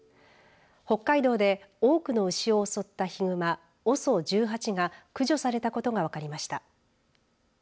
北海道で多くの牛を襲ったヒグマＯＳＯ１８が駆除されたことが分かりました。